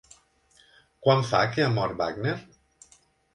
Quant fa que ha mort Wagner?